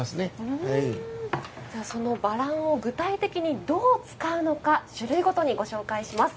そのバランを具体的にどう使うのか種類ごとにご紹介します。